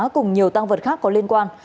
cùng nhiều tang vật khác có liên quan